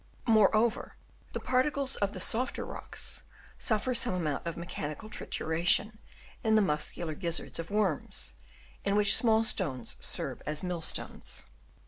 Moreover, the particles of the softer rocks suffer some amount of mechanical trituration in the muscular giz zards of worms, in which small stones serve as mill stones.